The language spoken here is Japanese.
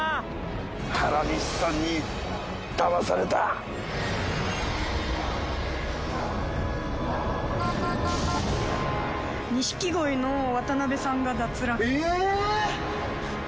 原西さんにだまされた錦鯉の渡辺さんが脱落えっ！